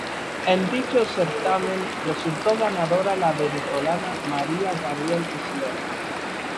En dicho certamen resultó ganadora la venezolana Maria Gabriela Isler.